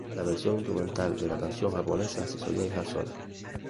La versión instrumental de la canción japonesa se solía dejar sola.